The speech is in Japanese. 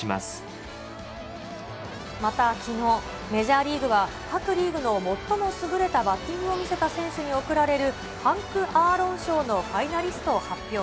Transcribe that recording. また、きのう、メジャーリーグは各リーグの最も優れたバッティングを見せた選手に贈られるハンク・アーロン賞のファイナリストを発表。